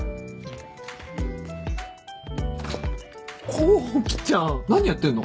洸稀ちゃん！何やってんの？